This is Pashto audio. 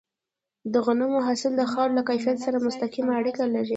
د غنمو حاصل د خاورې له کیفیت سره مستقیمه اړیکه لري.